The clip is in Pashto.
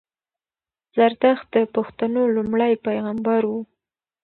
زردښت د پښتنو لومړی پېغمبر وو